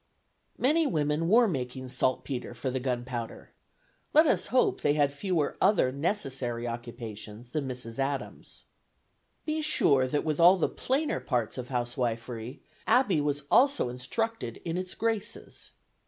Many women were making saltpetre for the gunpowder; let us hope they had fewer other necessary occupations than Mrs. Adams. Be sure that with all the plainer parts of housewifery, Abby was also instructed in its graces.